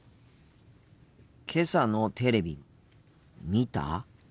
けさのテレビ見た？